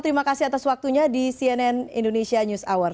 terima kasih atas waktunya di cnn indonesia news hour